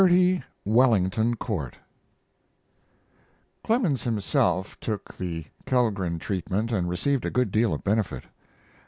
30, WELLINGTON COURT Clemens himself took the Kellgren treatment and received a good deal of benefit.